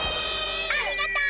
ありがとう！